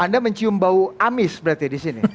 anda mencium bau amis berarti di sini